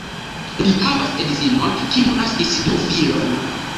Li havas edzinon, kiu naskis du filojn.